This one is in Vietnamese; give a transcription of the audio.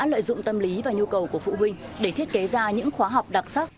các kẻ lừa đảo đã lợi dụng tâm lý và nhu cầu của phụ huynh để thiết kế ra những khóa học đặc sắc